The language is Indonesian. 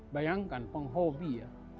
bayangkan penghobi ya